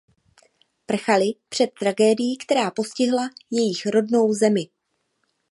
Prchaly před tragédií, která postihla jejich rodnou zemi.